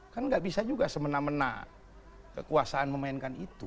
kan nggak bisa juga semena mena kekuasaan memainkan itu